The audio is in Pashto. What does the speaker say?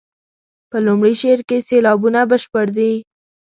په لومړي شعر کې سېلابونه بشپړ دي.